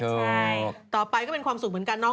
ใช่ต่อไปก็มีความสุขเหมือนกัน